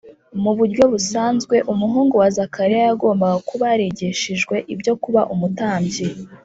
Mu buryo busanzwe, umuhungu wa Zakariya yagombaga kuba yarigishijwe ibyo kuba umutambyi